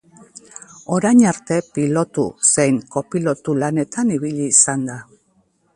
Orain arte pilotu zein kopilotu lanetan ibili izan da.